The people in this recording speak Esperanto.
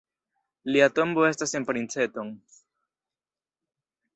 Lia tombo estas en Princeton.